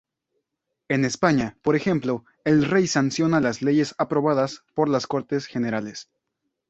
En España, por ejemplo, el Rey sanciona las leyes aprobadas por las Cortes Generales.